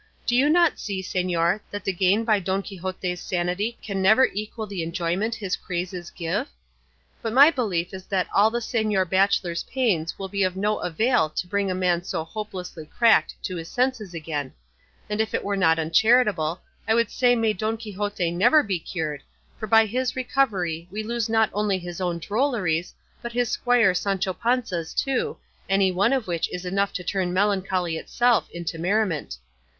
Do you not see, señor, that the gain by Don Quixote's sanity can never equal the enjoyment his crazes give? But my belief is that all the señor bachelor's pains will be of no avail to bring a man so hopelessly cracked to his senses again; and if it were not uncharitable, I would say may Don Quixote never be cured, for by his recovery we lose not only his own drolleries, but his squire Sancho Panza's too, any one of which is enough to turn melancholy itself into merriment.